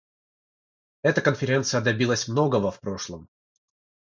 Эта Конференция добилась многого в прошлом.